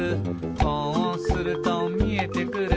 「こうするとみえてくる」